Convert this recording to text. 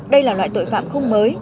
đây là loại tội phạm không mới